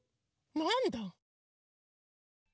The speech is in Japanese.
なんだ！